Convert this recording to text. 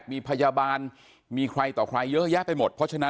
นี่นี่นี่นี่นี่นี่นี่